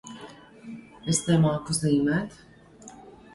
Es nemāku zīmēt.